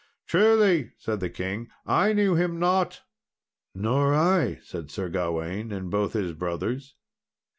"Truly," said the king, "I knew him not." "Nor I," said Sir Gawain and both his brothers.